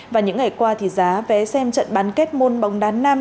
và những ngày qua thì giá vé xem trận bán kết môn bóng đá nam